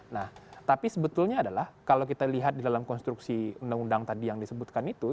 nah tapi sebetulnya adalah kalau kita lihat di dalam konstruksi undang undang tadi yang disebutkan itu